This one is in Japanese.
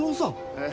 えっ？